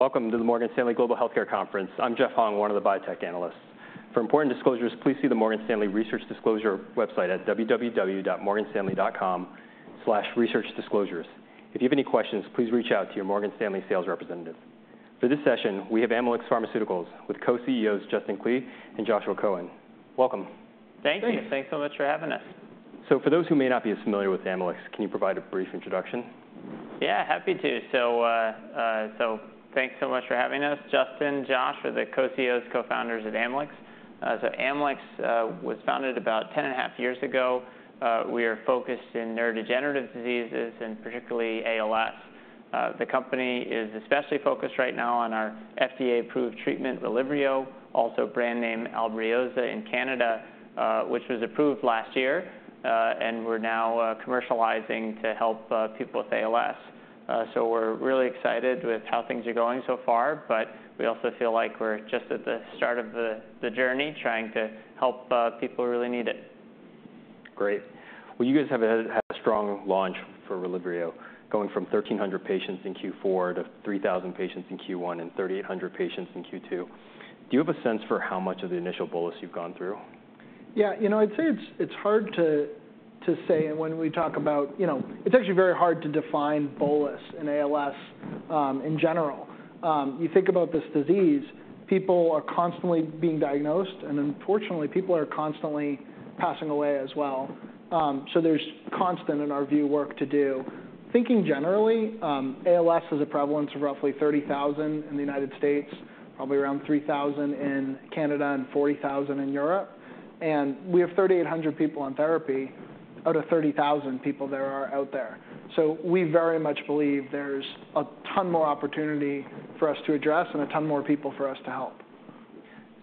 Welcome to the Morgan Stanley Global Healthcare Conference. I'm Jeff Hung, one of the Biotech Analysts. For important disclosures, please see the Morgan Stanley Research Disclosure website at www.morganstanley.com/researchdisclosures. If you have any questions, please reach out to your Morgan Stanley sales representative. For this session, we have Amylyx Pharmaceuticals with co-CEOs Justin Klee and Joshua Cohen. Welcome. Thank you. Thank you. Thanks so much for having us. For those who may not be as familiar with Amylyx, can you provide a brief introduction? Yeah, happy to. So, thanks so much for having us. Justin, Josh, are the co-CEOs, co-founders of Amylyx. So Amylyx was founded about 10.5 years ago. We are focused in neurodegenerative diseases, and particularly ALS. The company is especially focused right now on our FDA-approved treatment, RELYVRIO, also brand name ALBRIOZA in Canada, which was approved last year, and we're now commercializing to help people with ALS. So we're really excited with how things are going so far, but we also feel like we're just at the start of the journey, trying to help people who really need it. Great. Well, you guys have had a strong launch for RELYVRIO, going from 1,300 patients in Q4 to 3,000 patients in Q1 and 3,800 patients in Q2. Do you have a sense for how much of the initial bolus you've gone through? Yeah, you know, I'd say it's hard to say, and when we talk about... You know, it's actually very hard to define bolus in ALS, in general. You think about this disease, people are constantly being diagnosed, and unfortunately, people are constantly passing away as well. So there's constant, in our view, work to do. Thinking generally, ALS has a prevalence of roughly 30,000 in the United States, probably around 3,000 in Canada, and 40,000 in Europe, and we have 3,800 people on therapy out of 30,000 people that are out there. So we very much believe there's a ton more opportunity for us to address and a ton more people for us to help.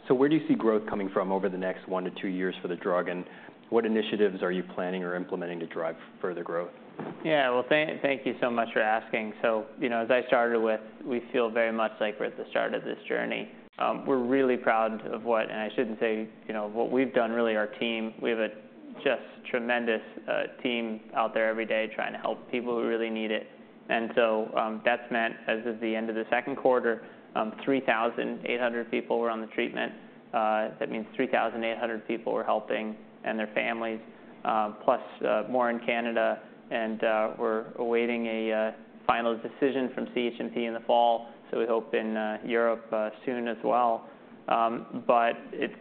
Where do you see growth coming from over the next 1-2 years for the drug, and what initiatives are you planning or implementing to drive further growth? Yeah. Well, thank you so much for asking. So, you know, as I started with, we feel very much like we're at the start of this journey. We're really proud of what... And I shouldn't say, you know, what we've done, really our team. We have a just tremendous team out there every day trying to help people who really need it. And so, that's meant, as of the end of the second quarter, 3,800 people were on the treatment. That means 3,800 people we're helping and their families, plus more in Canada, and we're awaiting a final decision from CHMP in the fall, so we hope in Europe soon as well. But it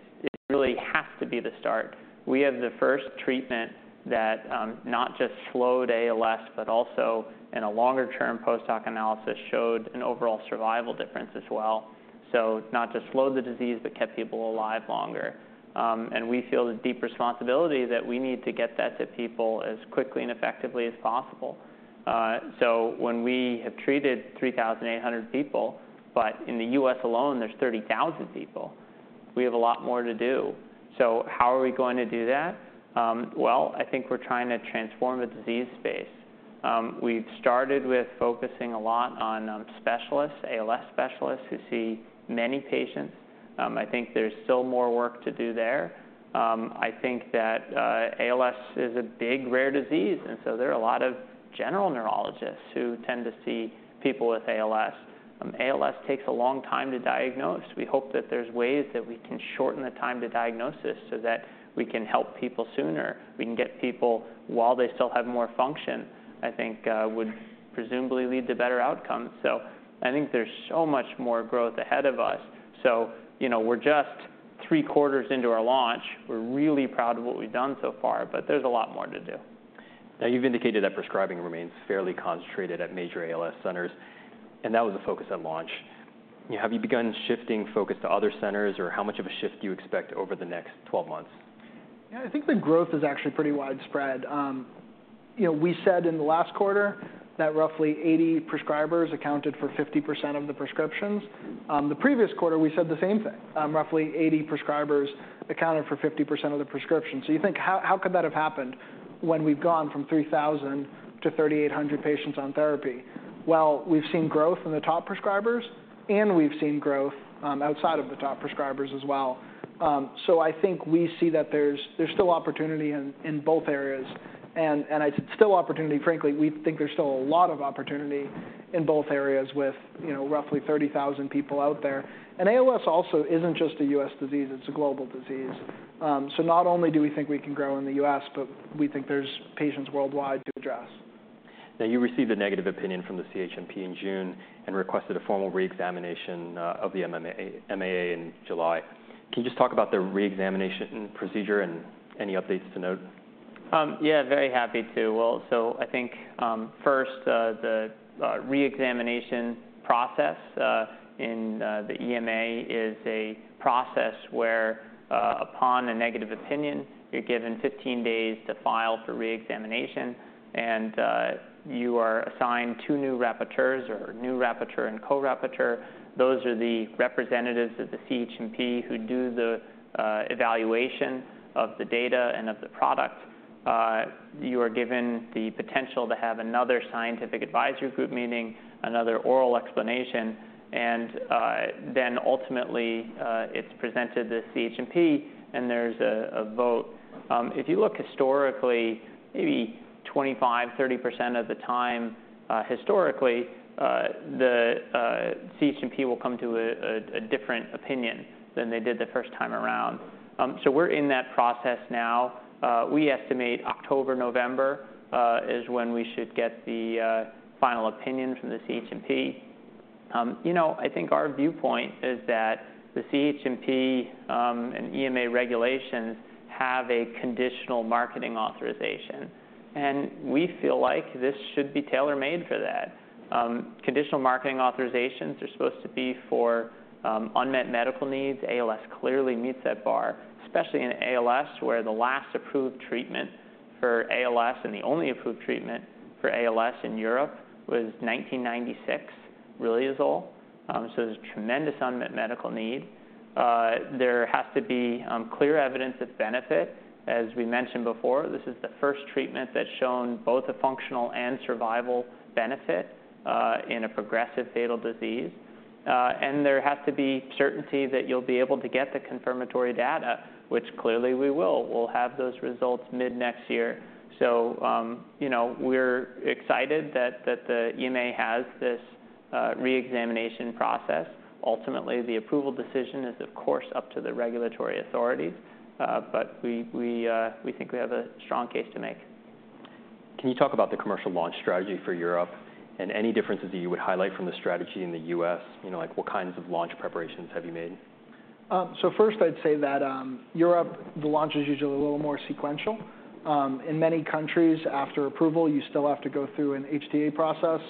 really has to be the start. We have the first treatment that, not just slowed ALS, but also in a longer-term post-hoc analysis, showed an overall survival difference as well. So not just slowed the disease, but kept people alive longer. And we feel a deep responsibility that we need to get that to people as quickly and effectively as possible. So when we have treated 3,800 people, but in the U.S. alone, there's 30,000 people, we have a lot more to do. So how are we going to do that? Well, I think we're trying to transform the disease space. We've started with focusing a lot on specialists, ALS specialists, who see many patients. I think there's still more work to do there. I think that ALS is a big, rare disease, and so there are a lot of general neurologists who tend to see people with ALS. ALS takes a long time to diagnose. We hope that there's ways that we can shorten the time to diagnosis so that we can help people sooner. We can get people while they still have more function, I think, would presumably lead to better outcomes. So I think there's so much more growth ahead of us. So, you know, we're just three quarters into our launch. We're really proud of what we've done so far, but there's a lot more to do. Now, you've indicated that prescribing remains fairly concentrated at major ALS centers, and that was a focus at launch. Have you begun shifting focus to other centers, or how much of a shift do you expect over the next 12 months? Yeah, I think the growth is actually pretty widespread. You know, we said in the last quarter that roughly 80 prescribers accounted for 50% of the prescriptions. The previous quarter, we said the same thing, roughly 80 prescribers accounted for 50% of the prescriptions. So you think, how, how could that have happened when we've gone from 3,000 to 3,800 patients on therapy? Well, we've seen growth in the top prescribers, and we've seen growth outside of the top prescribers as well. So I think we see that there's still opportunity in both areas, and I... Still opportunity, frankly, we think there's still a lot of opportunity in both areas with, you know, roughly 30,000 people out there. And ALS also isn't just a U.S. disease, it's a global disease. Not only do we think we can grow in the U.S., but we think there's patients worldwide to address. Now, you received a negative opinion from the CHMP in June and requested a formal reexamination of the MAA in July. Can you just talk about the reexamination procedure and any updates to note? Yeah, very happy to. Well, so I think, first, the reexamination process in the EMA is a process where, upon a negative opinion, you're given 15 days to file for reexamination, and you are assigned two new rapporteurs or new rapporteur and co-rapporteur. Those are the representatives of the CHMP who do the evaluation of the data and of the product. You are given the potential to have another Scientific Advisory Group meeting, another oral explanation, and then ultimately, it's presented to CHMP, and there's a vote. If you look historically, maybe 25-30% of the time, historically, the CHMP will come to a different opinion than they did the first time around. So we're in that process now. We estimate October, November, is when we should get the final opinion from the CHMP. You know, I think our viewpoint is that the CHMP and EMA regulations have a conditional marketing authorization, and we feel like this should be tailor-made for that. Conditional marketing authorizations are supposed to be for unmet medical needs. ALS clearly meets that bar, especially in ALS, where the last approved treatment for ALS, and the only approved treatment for ALS in Europe, was 1996, riluzole. So there's tremendous unmet medical need. There has to be clear evidence of benefit. As we mentioned before, this is the first treatment that's shown both a functional and survival benefit in a progressive fatal disease. And there has to be certainty that you'll be able to get the confirmatory data, which clearly we will. We'll have those results mid-next year. So, you know, we're excited that the EMA has this reexamination process. Ultimately, the approval decision is, of course, up to the regulatory authorities, but we think we have a strong case to make. Can you talk about the commercial launch strategy for Europe and any differences that you would highlight from the strategy in the U.S.? You know, like, what kinds of launch preparations have you made? So first I'd say that in Europe, the launch is usually a little more sequential. In many countries, after approval, you still have to go through an HTA process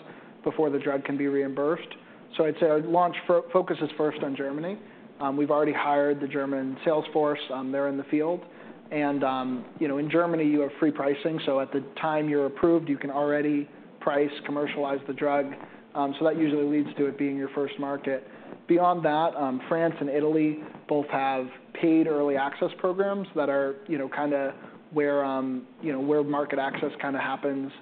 before the drug can be reimbursed. So I'd say our launch focus is first on Germany. We've already hired the German sales force. They're in the field. And, you know, in Germany, you have free pricing, so at the time you're approved, you can already price, commercialize the drug. So that usually leads to it being your first market. Beyond that, France and Italy both have paid early access programs that are, you know, kinda where, you know, where market access kind of happens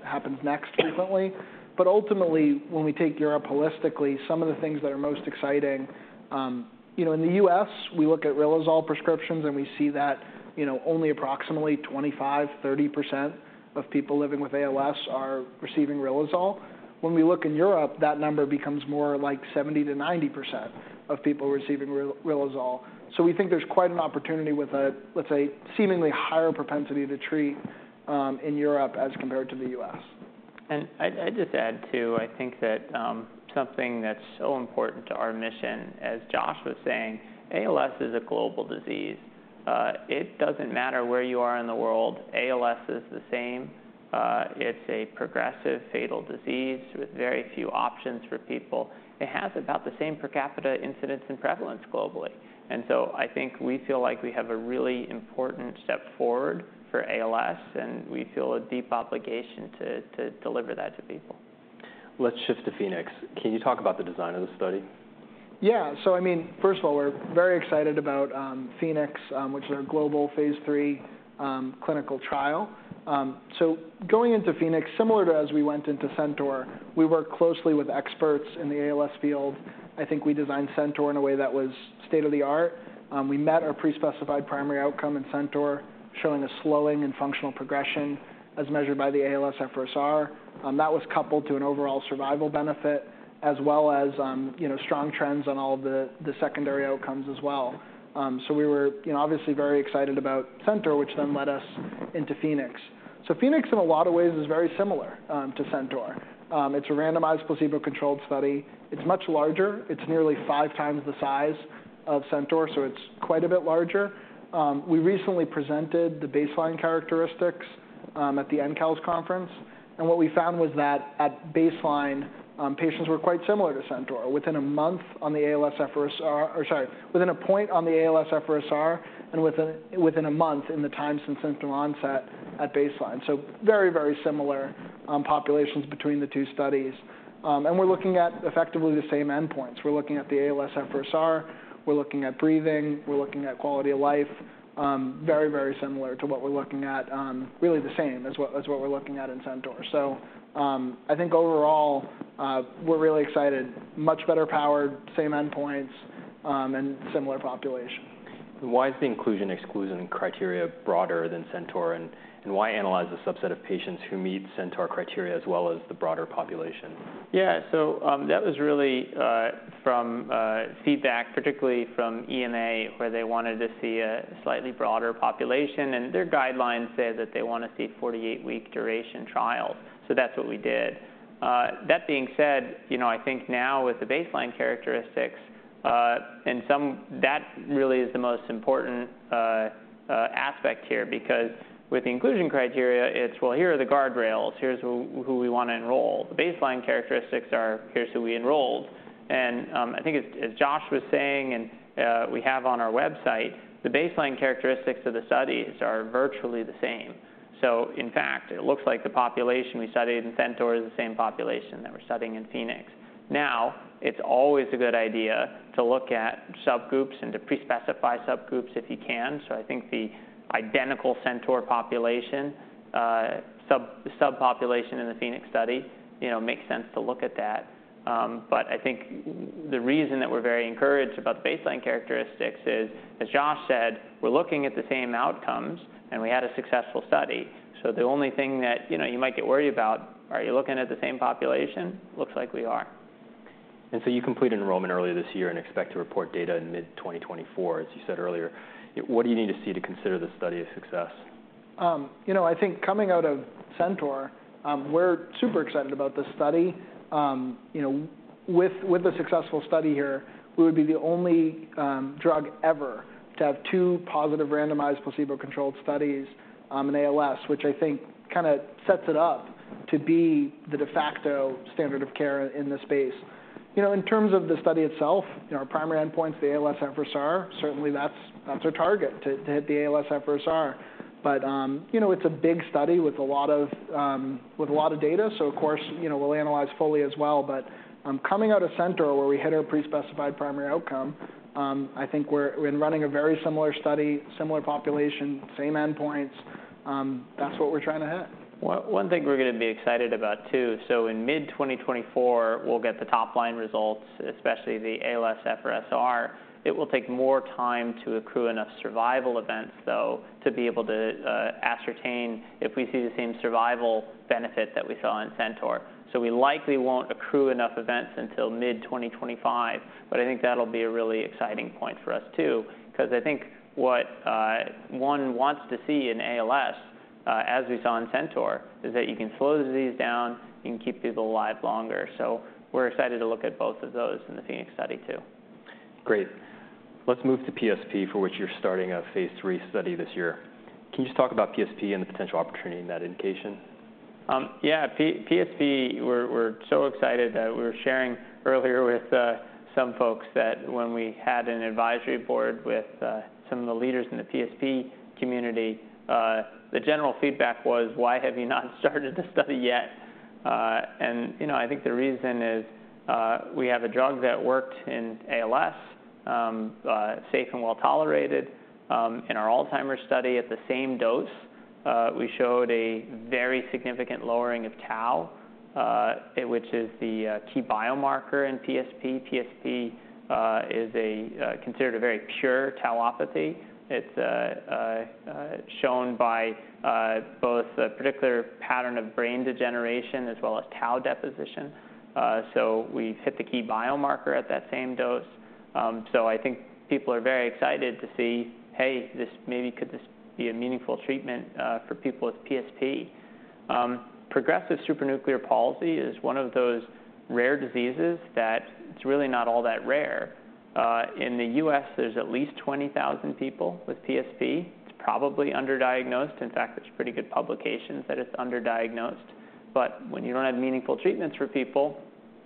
next frequently. But ultimately, when we take Europe holistically, some of the things that are most exciting. You know, in the U.S., we look at riluzole prescriptions, and we see that, you know, only approximately 25%-30% of people living with ALS are receiving riluzole. When we look in Europe, that number becomes more like 70%-90% of people receiving riluzole. So we think there's quite an opportunity with a, let's say, seemingly higher propensity to treat in Europe as compared to the U.S. And I'd just add, too, I think that something that's so important to our mission, as Josh was saying, ALS is a global disease. It doesn't matter where you are in the world, ALS is the same. It's a progressive, fatal disease with very few options for people. It has about the same per capita incidence and prevalence globally. And so I think we feel like we have a really important step forward for ALS, and we feel a deep obligation to deliver that to people. Let's shift to PHOENIX. Can you talk about the design of the study? Yeah. So I mean, first of all, we're very excited about PHOENIX, which is our global phase III clinical trial. So going into PHOENIX, similar to as we went into CENTAUR, we worked closely with experts in the ALS field. I think we designed CENTAUR in a way that was state-of-the-art. We met our pre-specified primary outcome in CENTAUR, showing a slowing in functional progression as measured by the ALSFRS-R. That was coupled to an overall survival benefit, as well as, you know, strong trends on all of the secondary outcomes as well. So we were, you know, obviously very excited about CENTAUR, which then led us into PHOENIX. So PHOENIX, in a lot of ways, is very similar to CENTAUR. It's a randomized placebo-controlled study. It's much larger. It's nearly 5 times the size of CENTAUR, so it's quite a bit larger. We recently presented the baseline characteristics at the ENCALS conference, and what we found was that at baseline, patients were quite similar to CENTAUR. Within a month on the ALSFRS-R, or sorry, within a point on the ALSFRS-R and within a month in the time since symptom onset at baseline, so very, very similar populations between the two studies. We're looking at effectively the same endpoints. We're looking at the ALSFRS-R, we're looking at breathing, we're looking at quality of life. Very, very similar to what we're looking at... Really the same as what, as what we're looking at in CENTAUR. So, I think overall, we're really excited. Much better powered, same endpoints, and similar population. Why is the inclusion/exclusion criteria broader than CENTAUR, and why analyze a subset of patients who meet CENTAUR criteria as well as the broader population? Yeah, so, that was really from feedback, particularly from EMA, where they wanted to see a slightly broader population, and their guidelines say that they want to see 48-week duration trials, so that's what we did. That being said, you know, I think now with the baseline characteristics and that really is the most important aspect here, because with the inclusion criteria, it's: Well, here are the guardrails. Here's who we want to enroll. The baseline characteristics are: Here's who we enrolled. And, I think as Josh was saying, and we have on our website, the baseline characteristics of the studies are virtually the same. So in fact, it looks like the population we studied in CENTAUR is the same population that we're studying in PHOENIX. Now, it's always a good idea to look at subgroups and to pre-specify subgroups if you can, so I think the identical CENTAUR population, sub- subpopulation in the PHOENIX study, you know, makes sense to look at that. But I think the reason that we're very encouraged about the baseline characteristics is, as Josh said, we're looking at the same outcomes, and we had a successful study. So the only thing that, you know, you might get worried about, are you looking at the same population? Looks like we are. So you completed enrollment earlier this year and expect to report data in mid-2024, as you said earlier. What do you need to see to consider this study a success? You know, I think coming out of CENTAUR, we're super excited about this study. You know, with a successful study here, we would be the only drug ever to have two positive randomized placebo-controlled studies in ALS, which I think kind of sets it up to be the de facto standard of care in the space. You know, in terms of the study itself, you know, our primary endpoint's the ALSFRS-R. Certainly, that's our target, to hit the ALSFRS-R. But, you know, it's a big study with a lot of data, so of course, you know, we'll analyze fully as well. But, coming out of CENTAUR, where we hit our pre-specified primary outcome, I think we're running a very similar study, similar population, same endpoints. That's what we're trying to hit. Well, one thing we're going to be excited about, too. So in mid-2024, we'll get the top-line results, especially the ALSFRS-R. It will take more time to accrue enough survival events, though, to be able to ascertain if we see the same survival benefit that we saw in CENTAUR. So we likely won't accrue enough events until mid-2025, but I think that'll be a really exciting point for us, too, because I think what one wants to see in ALS, as we saw in CENTAUR, is that you can slow the disease down, you can keep people alive longer. So we're excited to look at both of those in the PHOENIX study, too. Great. Let's move to PSP, for which you're starting a phase III study this year. Can you just talk about PSP and the potential opportunity in that indication? Yeah, PSP, we're so excited. We were sharing earlier with some folks that when we had an advisory board with some of the leaders in the PSP community, the general feedback was, "Why have you not started the study yet?" You know, I think the reason is, we have a drug that worked in ALS, safe and well-tolerated. In our Alzheimer's study at the same dose, we showed a very significant lowering of Tau, which is the key biomarker in PSP. PSP is considered a very pure Tauopathy. It's shown by both a particular pattern of brain degeneration as well as Tau deposition. So we've hit the key biomarker at that same dose. So I think people are very excited to see, hey, this maybe could just be a meaningful treatment for people with PSP. Progressive supranuclear palsy is one of those rare diseases that it's really not all that rare. In the U.S., there's at least 20,000 people with PSP. It's probably underdiagnosed. In fact, there's pretty good publications that it's underdiagnosed. But when you don't have meaningful treatments for people,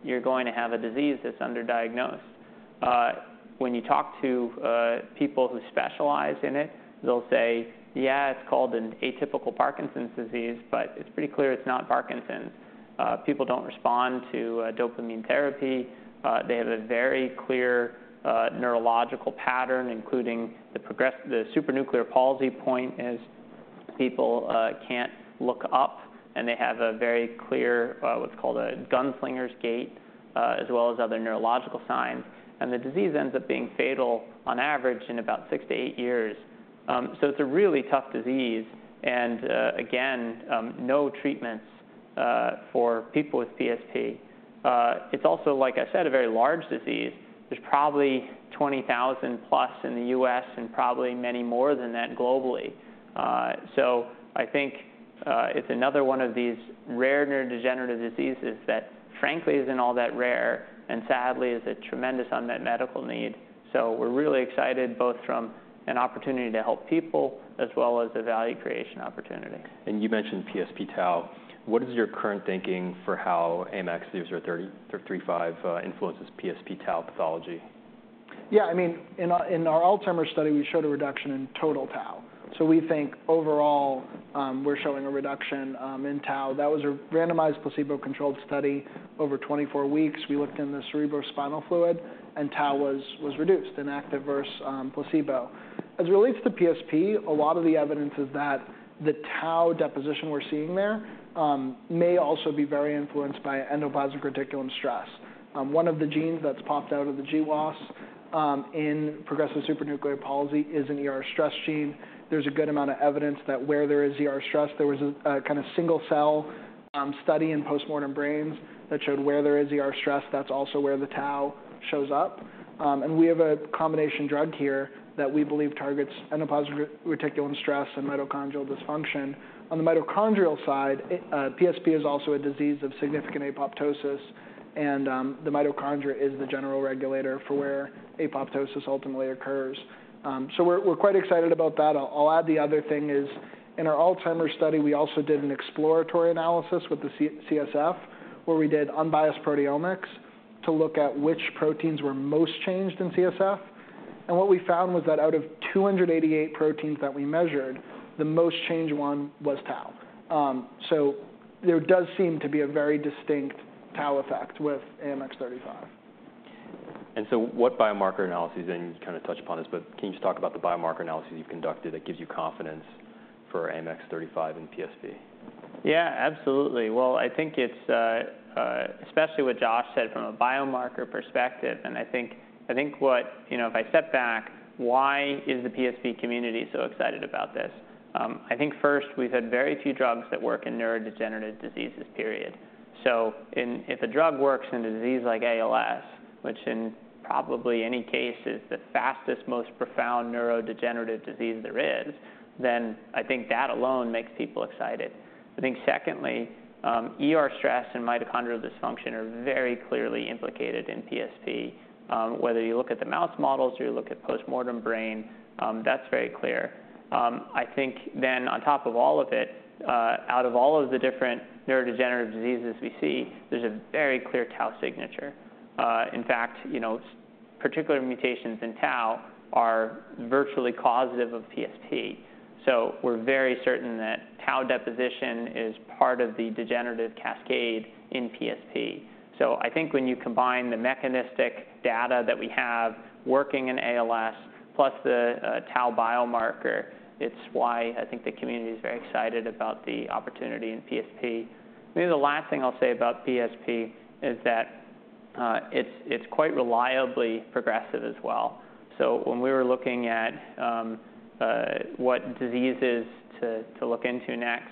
you're going to have a disease that's underdiagnosed. When you talk to people who specialize in it, they'll say, "Yeah, it's called an atypical Parkinson's disease," but it's pretty clear it's not Parkinson's. People don't respond to dopamine therapy. They have a very clear neurological pattern, including the progress- the supranuclear palsy point, as people can't look up, and they have a very clear what's called a gunslinger's gait, as well as other neurological signs. The disease ends up being fatal, on average, in about 6-8 years. So it's a really tough disease and, again, no treatments for people with PSP. It's also, like I said, a very large disease. There's probably 20,000+ in the U.S. and probably many more than that globally. So I think it's another one of these rare neurodegenerative diseases that, frankly, isn't all that rare and, sadly, is a tremendous unmet medical need. We're really excited, both from an opportunity to help people as well as a value creation opportunity. You mentioned PSP tau. What is your current thinking for how AMX0035 influences PSP tau pathology? Yeah, I mean, in our, in our Alzheimer's study, we showed a reduction in total tau, so we think overall, we're showing a reduction in tau. That was a randomized placebo-controlled study over 24 weeks. We looked in the cerebrospinal fluid, and tau was reduced in active versus placebo. As it relates to PSP, a lot of the evidence is that the tau deposition we're seeing there may also be very influenced by endoplasmic reticulum stress. One of the genes that's popped out of the GWAS in progressive supranuclear palsy is an ER stress gene. There's a good amount of evidence that where there is ER stress, there was a kind of single-cell study in postmortem brains that showed where there is ER stress, that's also where the tau shows up. And we have a combination drug here that we believe targets endoplasmic reticulum stress and mitochondrial dysfunction. On the mitochondrial side, it PSP is also a disease of significant apoptosis, and the mitochondria is the general regulator for where apoptosis ultimately occurs. So we're quite excited about that. I'll add the other thing is, in our Alzheimer's study, we also did an exploratory analysis with the CSF, where we did unbiased proteomics to look at which proteins were most changed in CSF. And what we found was that out of 288 proteins that we measured, the most changed one was tau. So there does seem to be a very distinct tau effect with AMX0035. So what biomarker analyses, and you kind of touched upon this, but can you just talk about the biomarker analyses you've conducted that gives you confidence... for AMX0035 and PSP? Yeah, absolutely. Well, I think it's especially what Josh said from a biomarker perspective, and I think what, you know, if I step back, why is the PSP community so excited about this? I think first, we've had very few drugs that work in neurodegenerative diseases, period. If a drug works in a disease like ALS, which in probably any case is the fastest, most profound neurodegenerative disease there is, then I think that alone makes people excited. I think secondly, ER stress and mitochondrial dysfunction are very clearly implicated in PSP. Whether you look at the mouse models or you look at postmortem brain, that's very clear. I think then on top of all of it, out of all of the different neurodegenerative diseases we see, there's a very clear tau signature. In fact, you know, particular mutations in tau are virtually causative of PSP. So we're very certain that tau deposition is part of the degenerative cascade in PSP. So I think when you combine the mechanistic data that we have working in ALS, plus the tau biomarker, it's why I think the community is very excited about the opportunity in PSP. Maybe the last thing I'll say about PSP is that, it's quite reliably progressive as well. So when we were looking at what diseases to look into next,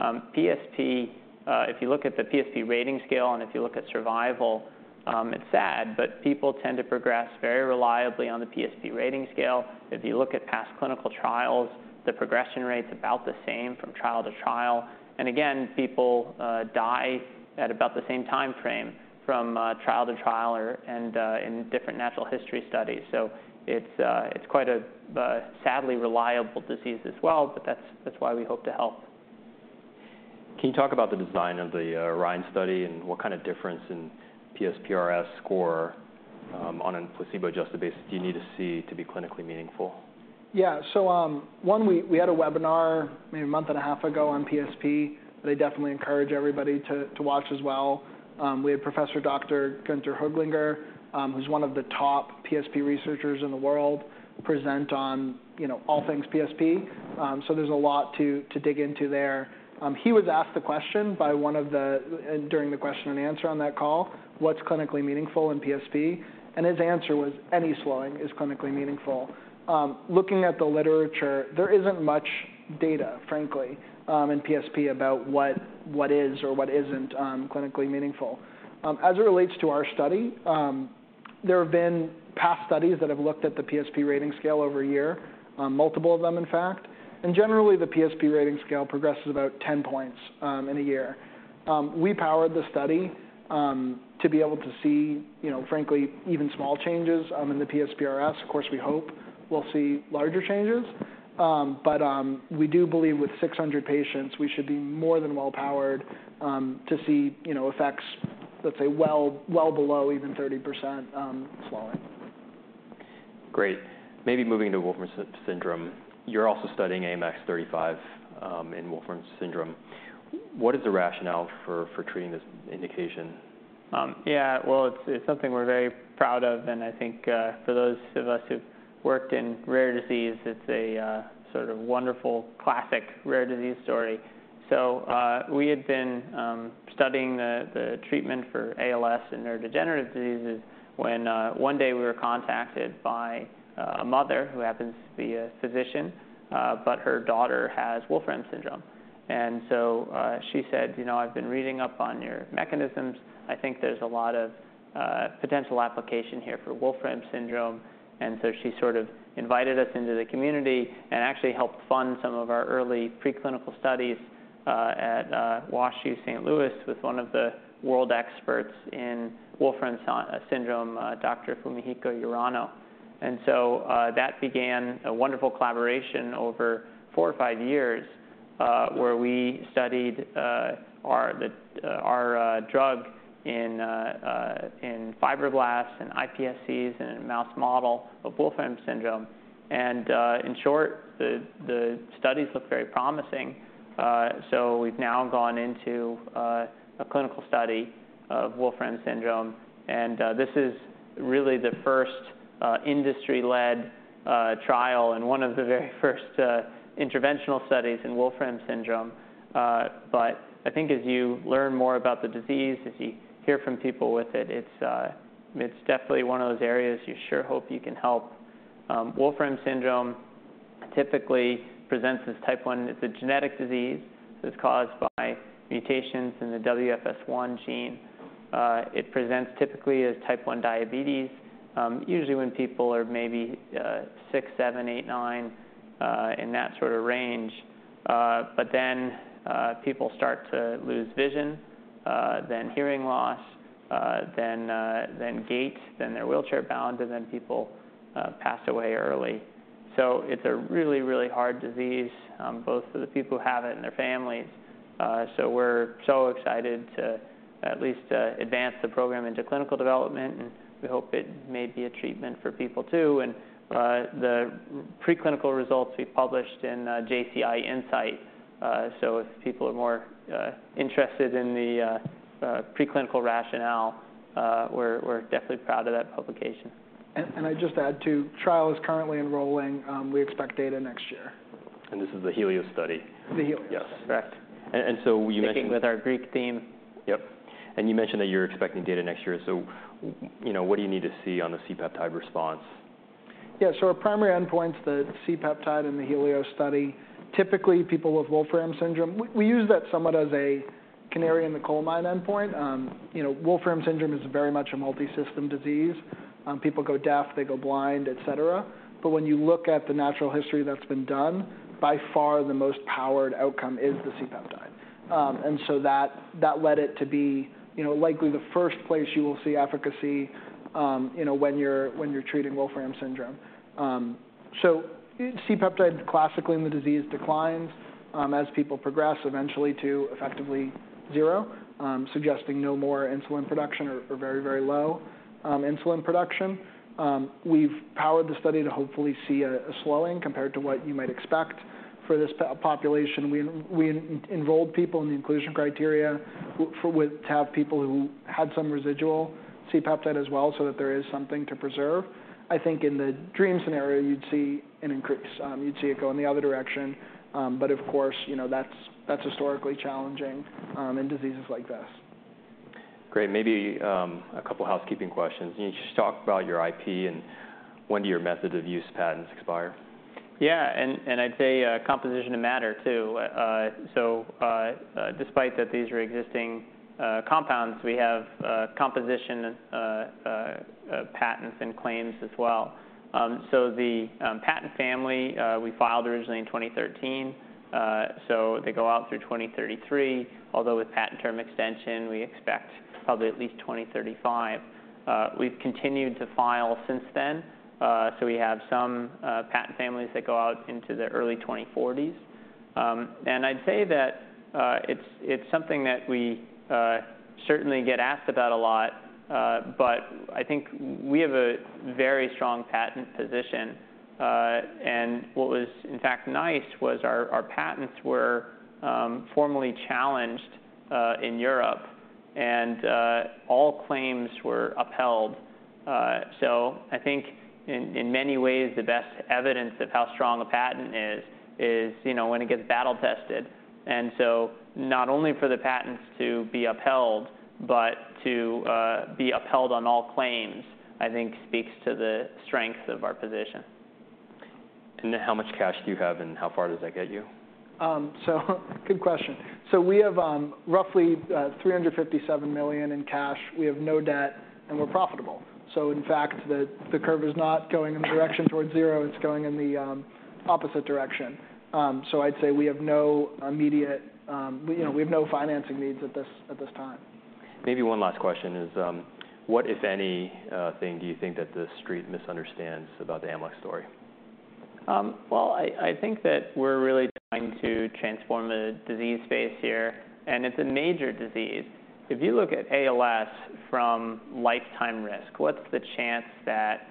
PSP, if you look at the PSP Rating Scale, and if you look at survival, it's sad, but people tend to progress very reliably on the PSP Rating Scale. If you look at past clinical trials, the progression rate's about the same from trial to trial, and again, people die at about the same time frame from trial to trial or, and in different natural history studies. So it's quite a sadly reliable disease as well, but that's why we hope to help. Can you talk about the design of the ORION study and what kind of difference in PSPRS score on a placebo-adjusted basis do you need to see to be clinically meaningful? Yeah. So, one, we had a webinar maybe a month and a half ago on PSP. I definitely encourage everybody to watch as well. We had Professor Dr. Günter Höglinger, who's one of the top PSP researchers in the world, present on, you know, all things PSP. So there's a lot to dig into there. He was asked the question by one of the... During the question and answer on that call: What's clinically meaningful in PSP? And his answer was, "Any slowing is clinically meaningful." Looking at the literature, there isn't much data, frankly, in PSP about what is or what isn't clinically meaningful. As it relates to our study, there have been past studies that have looked at the PSP Rating Scale over a year, multiple of them, in fact. Generally, the PSP Rating Scale progresses about 10 points in a year. We powered the study to be able to see, you know, frankly, even small changes in the PSPRS. Of course, we hope we'll see larger changes, but we do believe with 600 patients, we should be more than well-powered to see, you know, effects, let's say, well below even 30% slowing. Great. Maybe moving to Wolfram Syndrome. You're also studying AMX0035 in Wolfram Syndrome. What is the rationale for treating this indication? Yeah, well, it's something we're very proud of, and I think for those of us who've worked in rare disease, it's a sort of wonderful, classic rare disease story. So, we had been studying the treatment for ALS and neurodegenerative diseases when one day we were contacted by a mother who happens to be a physician, but her daughter has Wolfram Syndrome. And so, she said, "You know, I've been reading up on your mechanisms. I think there's a lot of potential application here for Wolfram Syndrome." And so she sort of invited us into the community and actually helped fund some of our early preclinical studies at WashU, St. Louis, with one of the world experts in Wolfram Syndrome, Dr. Fumihiko Urano. So, that began a wonderful collaboration over four or five years, where we studied our drug in fibroblasts, in iPSCs, and in a mouse model of Wolfram syndrome. In short, the studies looked very promising. So we've now gone into a clinical study of Wolfram syndrome, and this is really the first industry-led trial and one of the very first interventional studies in Wolfram syndrome. But I think as you learn more about the disease, as you hear from people with it, it's definitely one of those areas you sure hope you can help. Wolfram syndrome typically presents as type 1. It's a genetic disease that's caused by mutations in the WFS1 gene. It presents typically as type 1 diabetes, usually when people are maybe 6-9 in that sort of range, but then people start to lose vision, then hearing loss, then gait, then they're wheelchair-bound, and then people pass away early. So it's a really, really hard disease, both for the people who have it and their families. So we're so excited to at least advance the program into clinical development, and we hope it may be a treatment for people, too. The preclinical results we published in JCI Insight. So if people are more interested in the preclinical rationale, we're definitely proud of that publication. I'd just add, too, trial is currently enrolling. We expect data next year. This is the HELIOS study? The HELIOS. Yes. Correct. So you mentioned- Sticking with our Greek theme. Yep. And you mentioned that you're expecting data next year, so you know, what do you need to see on the C-peptide response? Yeah, so our primary endpoint's the C-peptide in the HELIOS study. Typically, people with Wolfram syndrome... We use that somewhat as a canary in the coal mine endpoint. You know, Wolfram syndrome is very much a multi-system disease. People go deaf, they go blind, et cetera. But when you look at the natural history that's been done, by far, the most powered outcome is the C-peptide. And so that led it to be, you know, likely the first place you will see efficacy, you know, when you're treating Wolfram syndrome. So C-peptide, classically, when the disease declines, as people progress eventually to effectively zero, suggesting no more insulin production or very, very low insulin production. We've powered the study to hopefully see a slowing compared to what you might expect for this population. We enrolled people in the inclusion criteria for to have people who had some residual C-peptide as well, so that there is something to preserve. I think in the dream scenario, you'd see an increase. You'd see it go in the other direction. But of course, you know, that's, that's historically challenging in diseases like this. Great. Maybe, a couple housekeeping questions. Can you just talk about your IP and when do your method of use patents expire? Yeah, and, and I'd say, composition of matter, too. So, despite that these are existing compounds, we have, composition patents and claims as well. So the, patent family, we filed originally in 2013, so they go out through 2033, although with patent term extension, we expect probably at least 2035. We've continued to file since then, so we have some, patent families that go out into the early 2040s. And I'd say that, it's, it's something that we, certainly get asked about a lot, but I think we have a very strong patent position. And what was, in fact, nice was our, our patents were, formally challenged, in Europe, and, all claims were upheld. So I think in many ways, the best evidence of how strong a patent is, is, you know, when it gets battle tested. And so not only for the patents to be upheld, but to be upheld on all claims, I think speaks to the strength of our position. How much cash do you have, and how far does that get you? So good question. So we have, roughly, $357 million in cash. We have no debt, and we're profitable. So in fact, the, the curve is not going in the direction towards zero, it's going in the, opposite direction. So I'd say we have no immediate... You know, we have no financing needs at this, at this time. Maybe one last question is, what, if anything, do you think that the Street misunderstands about the Amylyx story? Well, I think that we're really trying to transform the disease space here, and it's a major disease. If you look at ALS from lifetime risk, what's the chance that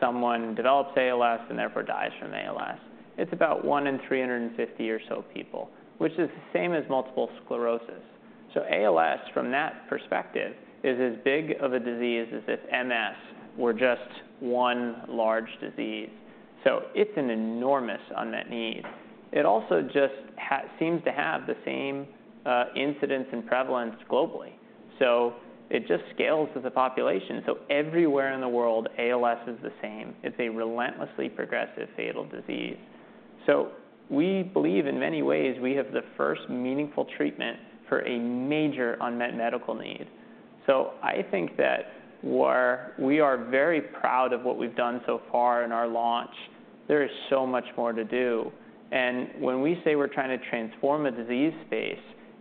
someone develops ALS and therefore dies from ALS? It's about one in 350 or so people, which is the same as multiple sclerosis. So ALS, from that perspective, is as big of a disease as if MS were just one large disease. So it's an enormous unmet need. It also just seems to have the same incidence and prevalence globally, so it just scales with the population. So everywhere in the world, ALS is the same. It's a relentlessly progressive fatal disease. So we believe, in many ways, we have the first meaningful treatment for a major unmet medical need. I think that we are very proud of what we've done so far in our launch. There is so much more to do. When we say we're trying to transform a disease space,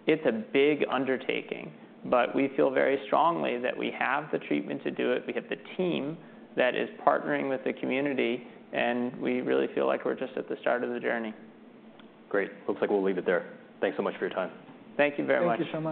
it's a big undertaking, but we feel very strongly that we have the treatment to do it. We have the team that is partnering with the community, and we really feel like we're just at the start of the journey. Great. Looks like we'll leave it there. Thanks so much for your time. Thank you very much. Thank you so much.